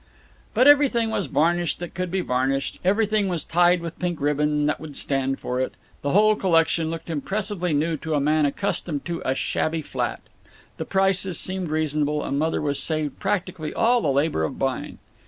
But everything was varnished that could be varnished; everything was tied with pink ribbon that would stand for it; the whole collection looked impressively new to a man accustomed to a shabby flat; the prices seemed reasonable; and Mother was saved practically all the labor of buying.